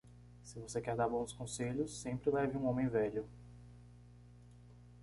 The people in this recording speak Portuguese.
Se você quer dar bons conselhos, sempre leve um homem velho.